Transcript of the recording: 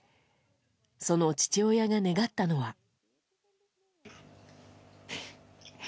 その父親が願ったのは。